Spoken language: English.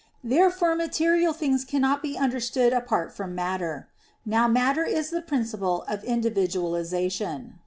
Therefore material things cannot be understood apart from matter. Now matter is the principle of individualization.